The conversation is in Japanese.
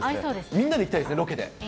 みんなで行きたいですね、ロケで。